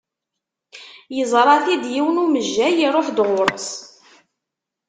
Yeẓra-t-id yiwen umejjay iruḥ-d ɣur-s.